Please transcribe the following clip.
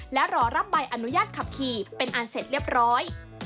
และรอรับใบอนุญาตขับขี่เป็นอันเสร็จเรียบร้อย